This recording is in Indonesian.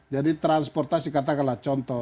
jadi transportasi katakanlah contoh